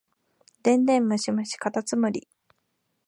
電電ムシムシかたつむり